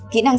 kỹ năng sáu